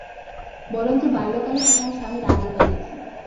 বরঞ্চ বাল্যকালে সে তাহার স্বামীর আদর পাইয়াছিল।